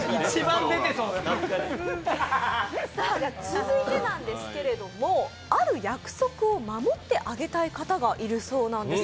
続いてなんですけれどもある約束を守ってあげたい方がいるそうなんです。